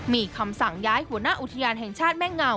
มีคำสั่งย้ายหัวหน้าอุทยานแห่งชาติแม่เงา